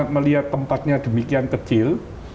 karena melihat tempatnya demikian kecil